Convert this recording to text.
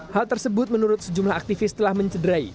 hal tersebut menurut sejumlah aktivis telah mencederai